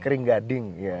kering gading ya